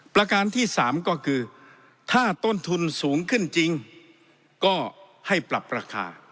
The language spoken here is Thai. ประการที่๓ก็คือถ้าต้นทุนสูงขึ้นจริงก็ให้ปรับราคา